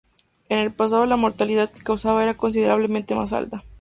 En el pasado la mortalidad que causaba era considerablemente más alta.